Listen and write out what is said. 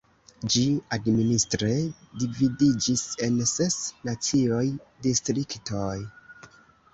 Ĝi administre dividiĝis en ses naciaj distriktoj.